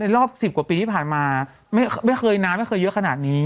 รอบ๑๐กว่าปีที่ผ่านมาไม่เคยน้ำไม่เคยเยอะขนาดนี้